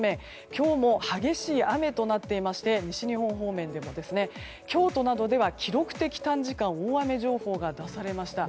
今日も激しい雨となっていまして西日本方面では、京都などでは記録的短時間大雨情報が出されました。